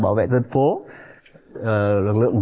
bảo vệ dân phố lực lượng